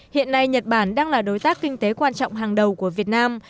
hiện nay nhật bản đang là đối tác kinh tế quan trọng hàng đầu của việt nam